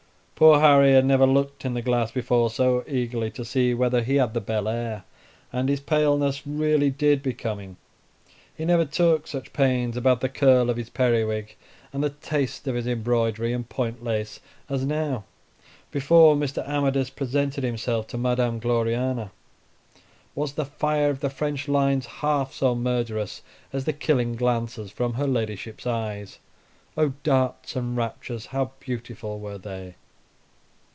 Poor Harry had never looked in the glass before so eagerly to see whether he had the bel air, and his paleness really did become him; he never took such pains about the curl of his periwig, and the taste of his embroidery and point lace, as now, before Mr. Amadis presented himself to Madam Gloriana. Was the fire of the French lines half so murderous as the killing glances from her ladyship's eyes? Oh! darts and raptures, how beautiful were they!